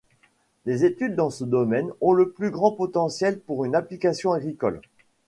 Les études dans ce domaine ont le plus grand potentiel pour une application agricole.